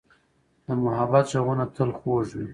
د محبت ږغونه تل خوږ وي.